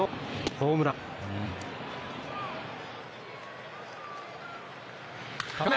ホームランだ！